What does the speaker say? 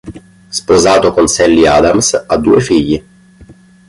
Sposato con Sally Adams, ha due figli.